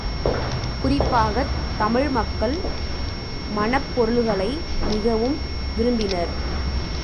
குறிப்பாகத் தமிழ் மக்கள் மணப் பொருள்களை மிகவும் விரும்பினர்.